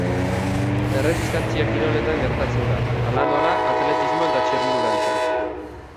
Erresistentzia-kiroletan gertatzen da, hala nola atletismo eta txirrindularitzan.